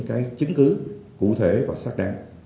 chứng cứ cụ thể và xác đáng